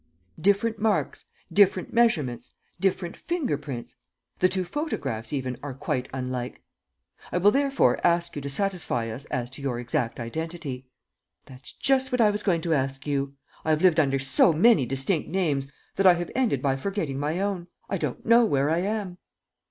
"Different marks, different measurements, different finger prints. ... The two photographs even are quite unlike. I will therefore ask you to satisfy us as to your exact identity." "That's just what I was going to ask you. I have lived under so many distinct names that I have ended by forgetting my own. I don't know where I am."